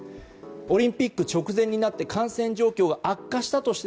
オリンピック直前になって感染状況が悪化したとして